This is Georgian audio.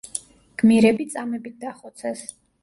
გმირები წამებით დახოცეს.